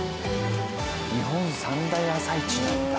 日本三大朝市なんだ。